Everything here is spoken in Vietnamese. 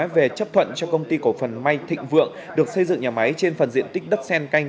về chấp thuận cho công ty cổ phần may thịnh vượng được xây dựng nhà máy trên phần diện tích đất sen canh